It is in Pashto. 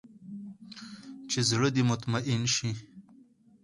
چې زړه دې مطمين سي.